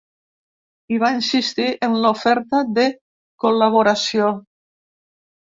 I va insistir en l’oferta de ‘col·laboració’.